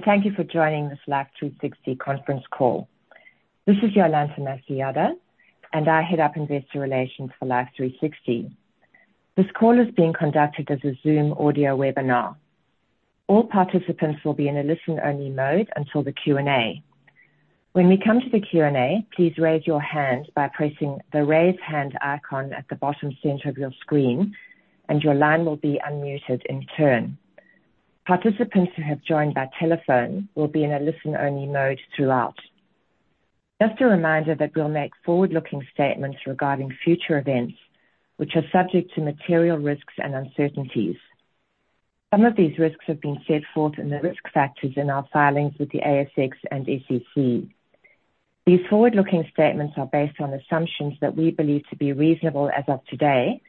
Thank you for joining this Life360 conference call. This is Jolanta Masojada, and I head up Investor Relations for Life360. This call is being conducted as a Zoom audio webinar. All participants will be in a listen-only mode until the Q&A. When we come to the Q&A, please raise your hand by pressing the Raise Hand icon at the bottom center of your screen, and your line will be unmuted in turn. Participants who have joined by telephone will be in a listen-only mode throughout. Just a reminder that we'll make forward-looking statements regarding future events, which are subject to material risks and uncertainties. Some of these risks have been set forth in the risk factors in our filings with the ASX and SEC. These forward-looking statements are based on assumptions that we believe to be reasonable as of today,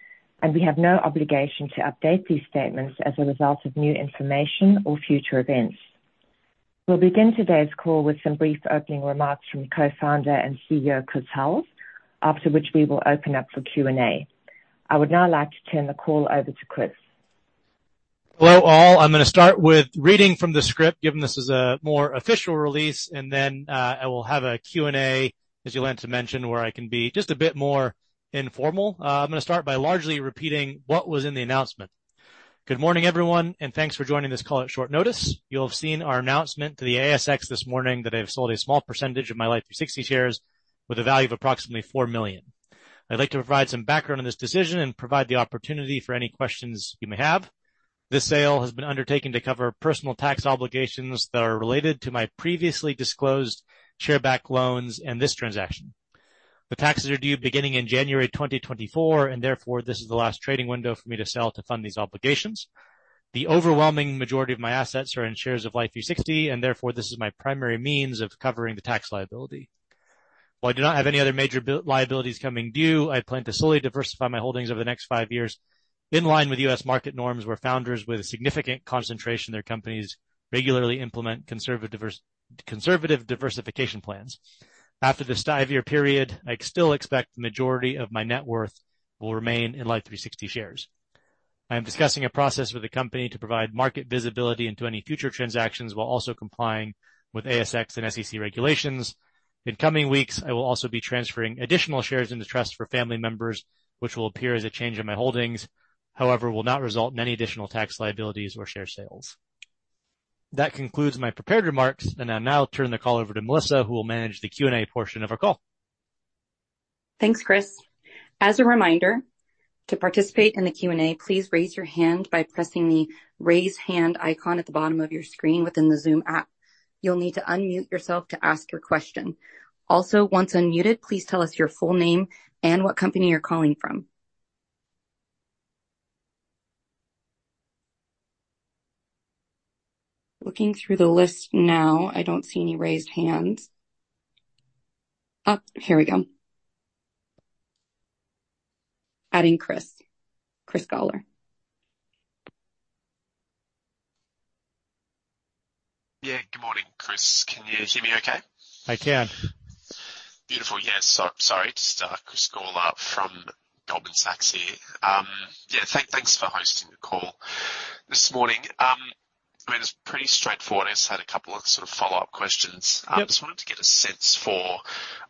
and we have no obligation to update these statements as a result of new information or future events. We'll begin today's call with some brief opening remarks from Co-founder and CEO, Chris Hulls, after which we will open up for Q&A. I would now like to turn the call over to Chris. Hello, all. I'm gonna start with reading from the script, given this is a more official release, and then, I will have a Q&A, as Jolanta mentioned, where I can be just a bit more informal. I'm gonna start by largely repeating what was in the announcement. Good morning, everyone, and thanks for joining this call at short notice. You'll have seen our announcement to the ASX this morning that I've sold a small percentage of my Life360 shares with a value of approximately 4 million. I'd like to provide some background on this decision and provide the opportunity for any questions you may have. This sale has been undertaken to cover personal tax obligations that are related to my previously disclosed share buyback loans and this transaction. The taxes are due beginning in January 2024, and therefore, this is the last trading window for me to sell to fund these obligations. The overwhelming majority of my assets are in shares of Life360, and therefore, this is my primary means of covering the tax liability. While I do not have any other major liabilities coming due, I plan to slowly diversify my holdings over the next five years in line with U.S. market norms, where founders with a significant concentration in their companies regularly implement conservative diversification plans. After this five-year period, I still expect the majority of my net worth will remain in Life360 shares. I am discussing a process with the company to provide market visibility into any future transactions while also complying with ASX and SEC regulations. In coming weeks, I will also be transferring additional shares into trust for family members, which will appear as a change in my holdings, however, will not result in any additional tax liabilities or share sales. That concludes my prepared remarks, and I'll now turn the call over to Melissa, who will manage the Q&A portion of our call. Thanks, Chris. As a reminder, to participate in the Q&A, please raise your hand by pressing the Raise Hand icon at the bottom of your screen within the Zoom app. You'll need to unmute yourself to ask your question. Also, once unmuted, please tell us your full name and what company you're calling from. Looking through the list now, I don't see any raised hands. Here we go. Adding Chris. Chris Gawler. Yeah. Good morning, Chris. Can you hear me okay? I can. Beautiful. Yes, so sorry, just, Chris Gawler from Goldman Sachs here. Yeah, thanks for hosting the call this morning. I mean, it's pretty straightforward. I just had a couple of sort of follow-up questions. Yep. I just wanted to get a sense for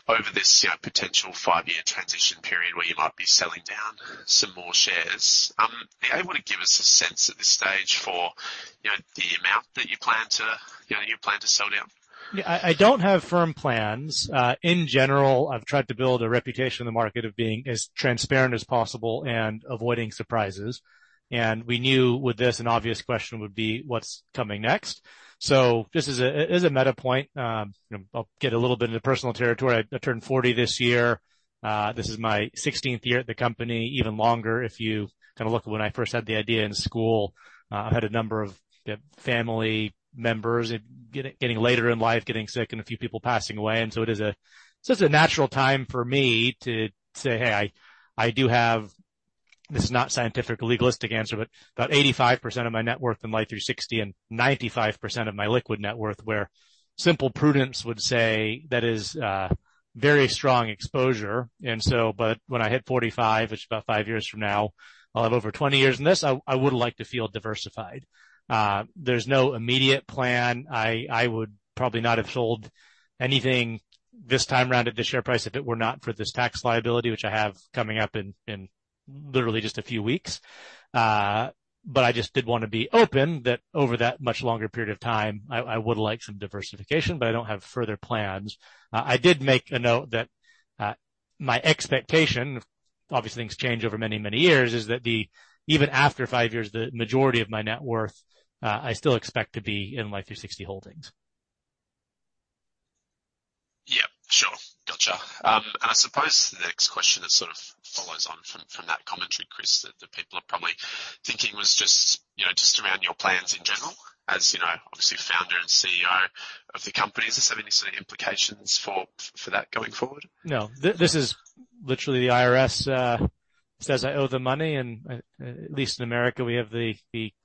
over this, you know, potential five-year transition period where you might be selling down some more shares. Are you able to give us a sense at this stage for, you know, the amount that you plan to, you know, you plan to sell down? Yeah, I don't have firm plans. In general, I've tried to build a reputation in the market of being as transparent as possible and avoiding surprises. And we knew with this, an obvious question would be: What's coming next? So this is a meta point. You know, I'll get a little bit into personal territory. I turned 40 this year. This is my 16th year at the company, even longer if you kind of look at when I first had the idea in school. I've had a number of, you know, family members getting later in life, getting sick, and a few people passing away, and so it is a just a natural time for me to say, "Hey, I, I do have..." This is not scientific or legalistic answer, but about 85% of my net worth in Life360 and 95% of my liquid net worth, where simple prudence would say that is very strong exposure. But when I hit 45, which is about five years from now, I'll have over 20 years in this. I would like to feel diversified. There's no immediate plan. I would probably not have sold anything this time around at the share price if it were not for this tax liability, which I have coming up in literally just a few weeks. But I just did want to be open that over that much longer period of time, I would like some diversification, but I don't have further plans. I did make a note that my expectation, obviously things change over many, many years, is that even after five years, the majority of my net worth I still expect to be in Life360 holdings. Yeah, sure. Gotcha. And I suppose the next question that sort of follows on from that commentary, Chris, that the people are probably thinking was just, you know, just around your plans in general. As you know, obviously, Founder and CEO of the company, does this have any sort of implications for that going forward? No, this is literally the IRS says I owe them money, and at least in America, we have the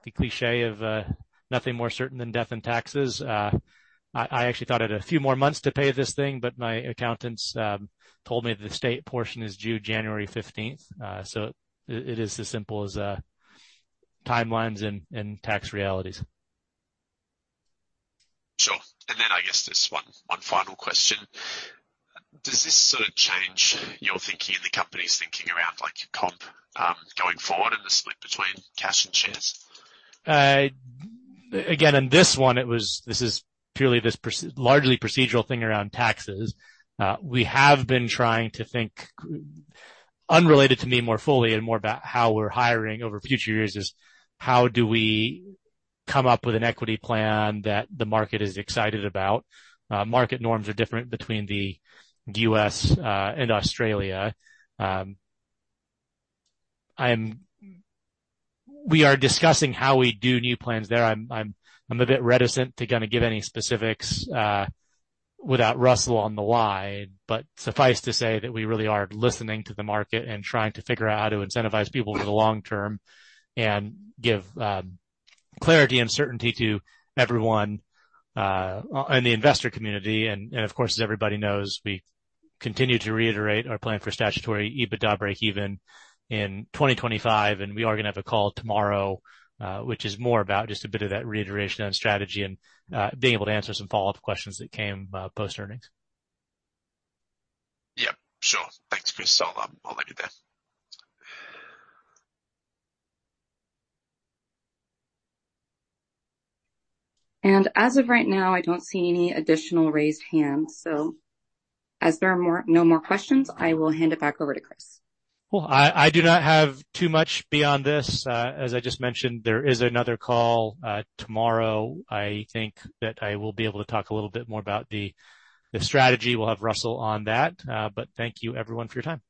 cliché of nothing more certain than death and taxes. I actually thought I had a few more months to pay this thing, but my accountants told me that the state portion is due January 15th. So it is as simple as timelines and tax realities.... And then I guess just one final question. Does this sort of change your thinking and the company's thinking around, like, comp going forward and the split between cash and shares? Again, in this one, it was—this is purely largely procedural thing around taxes. We have been trying to think, unrelated to me more fully and more about how we're hiring over future years, is how do we come up with an equity plan that the market is excited about? Market norms are different between the U.S. and Australia. I'm—we are discussing how we do new plans there. I'm a bit reticent to kinda give any specifics without Russell on the line. But suffice to say that we really are listening to the market and trying to figure out how to incentivize people for the long term and give clarity and certainty to everyone in the investor community. Of course, as everybody knows, we continue to reiterate our plan for statutory EBITDA breakeven in 2025, and we are going to have a call tomorrow, which is more about just a bit of that reiteration on strategy and, being able to answer some follow-up questions that came, post-earnings. Yep. Sure. Thanks, Chris. I'll look at that. As of right now, I don't see any additional raised hands. As there are more... no more questions, I will hand it back over to Chris. Well, I do not have too much beyond this. As I just mentioned, there is another call tomorrow. I think that I will be able to talk a little bit more about the strategy. We'll have Russell on that. But thank you everyone for your time.